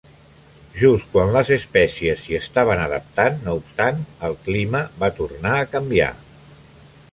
Just quan les espècies s'hi estaven adaptant, no obstant, el clima va tornar a canviar.